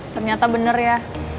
ternyata bener ya